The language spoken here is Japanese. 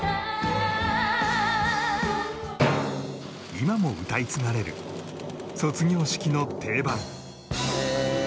今も歌い継がれる卒業式の定番